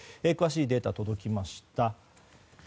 詳しいデータが届きました。